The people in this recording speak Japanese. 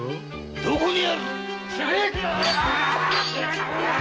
どこにある！